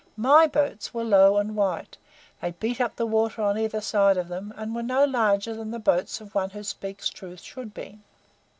MY boats were low and white; they beat up the water on either side of them and were no larger than the boats of one who speaks truth should be.